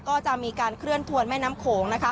ก็จะมีการเคลื่อนทวนแม่น้ำโขงนะคะ